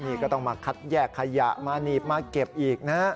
นี่ก็ต้องมาคัดแยกขยะมาหนีบมาเก็บอีกนะฮะ